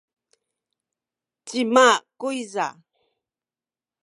cima kuyza?